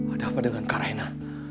ada apa dengan kak raina